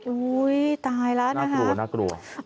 อุ๊ยตายแล้วนะครับน่ากลัวนะครับ